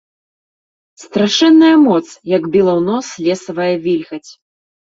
Страшэнная моц, як біла ў нос лесавая вільгаць.